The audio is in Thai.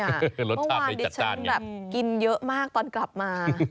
เมื่อวานเดี๋ยวฉันกินเยอะมากตอนกลับมา